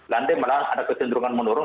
landai malah ada kecenderungan menurun